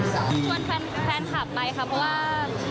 ชวนแฟนคลับไปค่ะเพราะว่า